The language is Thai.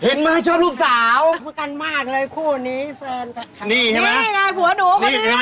เห็นไหมชอบลูกสาวชอบกันมากเลยคู่นี้แฟนคลับนี่เห็นไหมนี่ไงผัวหนู